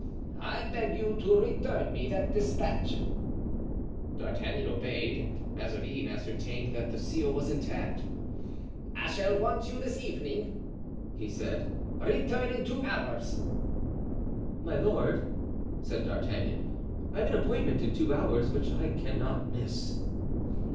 I beg you to return me that dispatch." D'Artagnan obeyed, and Mazarin ascertained that the seal was intact. "I shall want you this evening," he said "Return in two hours." "My lord," said D'Artagnan, "I have an appointment in two hours which I cannot miss."